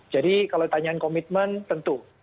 jadi kalau ditanyakan komitmen tentu